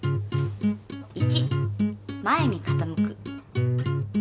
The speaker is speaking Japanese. １前に傾く。